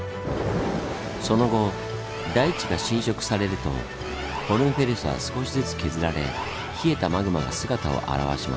その後大地が侵食されるとホルンフェルスは少しずつ削られ冷えたマグマが姿を現します。